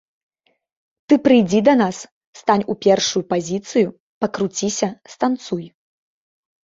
Ты прыйдзі да нас, стань у першую пазіцыю, пакруціся, станцуй.